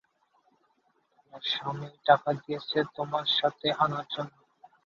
তোমার স্বামী টাকা দিয়েছে তোমাকে সাথে আনার জন্য।